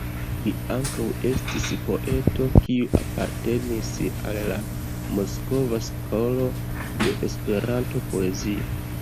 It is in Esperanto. Li ankaŭ estis poeto, kiu apartenis al la Moskva skolo de Esperanto-poezio.